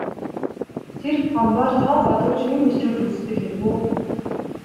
Тэр Гомбоор тоо бодуулж, юм бичүүлж үздэг хэрэг үү.